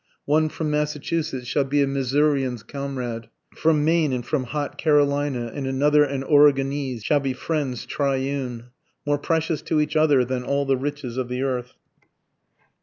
One from Massachusetts shall be a Missourian's comrade, From Maine and from hot Carolina, and another an Oregonese, shall be friends triune, More precious to each other than all the riches of the earth.